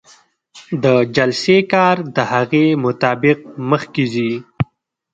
د جلسې کار د هغې مطابق مخکې ځي.